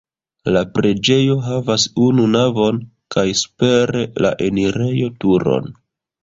La preĝejo havas unu navon kaj super la enirejo turon.